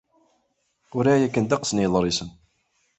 Uriγ yakan ddeqs n yiḍṛisen.